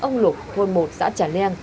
ông lục hồn một xã trà leng